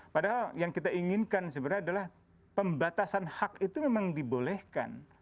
padahal yang kita inginkan sebenarnya adalah pembatasan hak itu memang dibolehkan